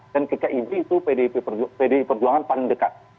dan ke kib itu pd perjuangan paling dekat